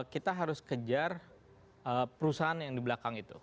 kita harus kejar perusahaan yang di belakang itu